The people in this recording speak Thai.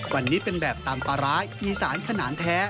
วันนี้เป็นแบบตำปลาร้าอีสานขนาดแท้